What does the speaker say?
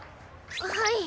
はい。